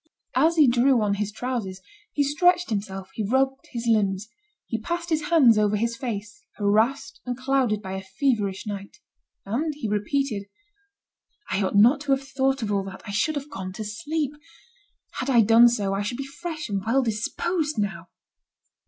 As he drew on his trousers he stretched himself, he rubbed his limbs, he passed his hands over his face, harassed and clouded by a feverish night. And he repeated: "I ought not to have thought of all that, I should have gone to sleep. Had I done so, I should be fresh and well disposed now."